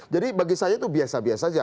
jadi bagi saya itu biasa biasa saja